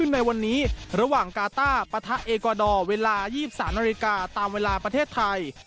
ในวันนี้ระหว่างกาต้าปะทะเอกอดอร์เวลา๒๓นาฬิกาตามเวลาประเทศไทย